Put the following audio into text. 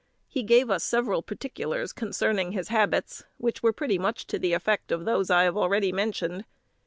He gave us several particulars concerning his habits, which were pretty much to the effect of those I have already mentioned.